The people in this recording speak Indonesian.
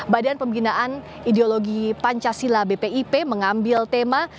badan pembinaan ideologi pancasila bpip mengambil tema